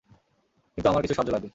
কিন্তু আমার কিছু সাহায্য লাগবে।